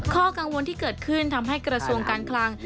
ข้อกังวลที่เกิดขึ้นทำให้กระทรวงการคลัง